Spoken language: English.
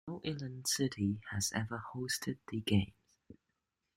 No inland city has ever hosted the games.